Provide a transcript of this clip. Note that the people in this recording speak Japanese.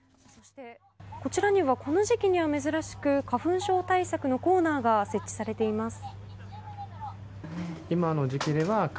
こちらにはこの時期に珍しく花粉症対策のコーナーが設置されています。